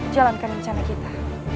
jalankan rencana kita